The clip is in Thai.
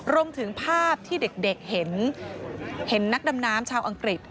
รวมถึงภาพที่เด็กเห็นนักดำน้ำชาวอังกฤษ